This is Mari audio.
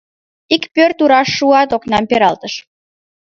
Ик пӧрт тураш шуат, окнам пералтыш.